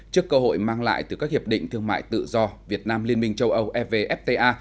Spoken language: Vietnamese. trước cơ hội mang lại từ các hiệp định thương mại tự do việt nam liên minh châu âu evfta